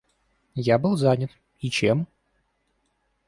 Я был занят, и чем?